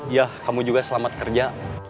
ya kamu juga selamat kerja